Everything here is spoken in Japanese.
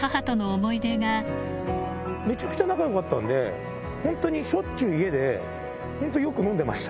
めちゃくちゃ仲よかったんで、本当にしょっちゅう家で、本当よく飲んでました。